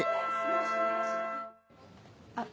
あっ